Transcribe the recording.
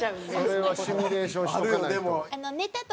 それはシミュレーションしておかないと。